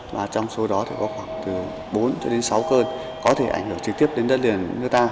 và trong số đó thì có khoảng từ bốn cho đến sáu cơn có thể ảnh hưởng trực tiếp đến đất liền nước ta